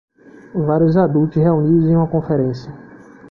Vários adultos reunidos em uma conferência.